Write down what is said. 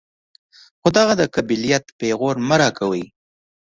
خو دغه د قبيلت پېغور مه راکوئ.